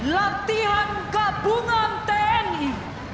latihan gabungan tni